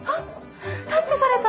タッチされた！